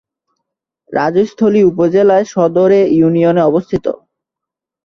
রাজস্থলী উপজেলা সদর এ ইউনিয়নে অবস্থিত।